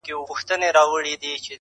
اوس به څه ليكې شاعره؛